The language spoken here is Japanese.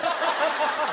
ハハハハ！